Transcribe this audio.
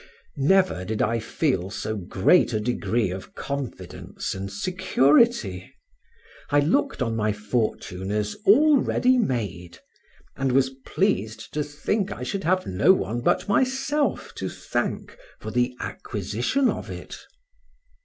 Never did I feel so great a degree of confidence and security; I looked on my fortune as already made and was pleased to think I should have no one but myself to thank for the acquisition of it.